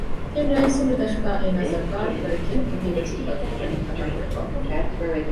ތިން ރައީސުންގެ ދަށުގައި އޭނާ ސަރުކާރުގެ ވަރަށް ގިނަ މަތީ ވަޒީފާތަކެއް ވަނީ އަދާކުރައްވާފަ